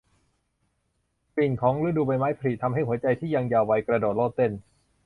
กลิ่นของฤดูใบไม้ผลิทำให้หัวใจที่ยังเยาว์วัยกระโดดโลดเต้น